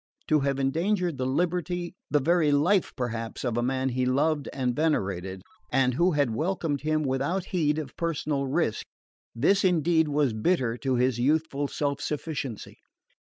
To have endangered the liberty, the very life, perhaps, of a man he loved and venerated, and who had welcomed him without heed of personal risk, this indeed was bitter to his youthful self sufficiency.